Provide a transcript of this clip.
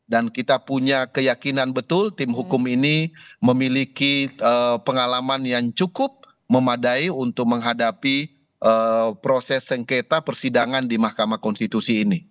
dan kita punya keyakinan betul tim hukum ini memiliki pengalaman yang cukup memadai untuk menghadapi proses sengketa persidangan di mahkamah konstitusi ini